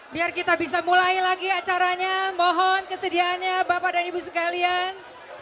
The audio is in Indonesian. biar kita bisa mulai lagi acaranya mohon kesediaannya bapak dan ibu sekalian